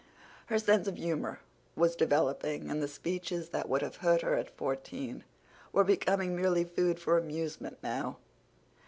Her sense of humor was developing, and the speeches that would have hurt her at fourteen were becoming merely food for amusement now.